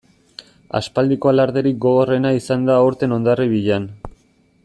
Aspaldiko alarderik gogorrena izan da aurten Hondarribian.